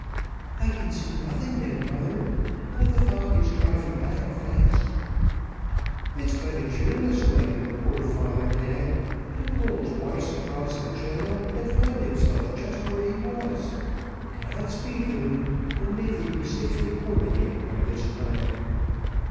"I can see nothing yet, mother; but the fog is driving back fast." "It's but a cheerless night your poor father had, to pull twice across the channel, and find himself just where he was. God speed them, and may they be safe in port again by this time."